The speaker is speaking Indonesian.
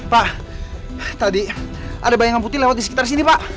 pak tadi ada bayangan putih lewat di sekitar sini pak